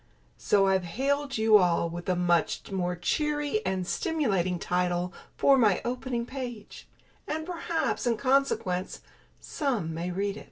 So I've hailed you all with a much more cheery and stimulating title for my opening page; and perhaps, in consequence, some may read it.